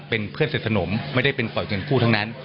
เป็นเพื่อนเสร็จสนมไม่ได้เป็นปล่อยเงินกู้ทั้งนั้น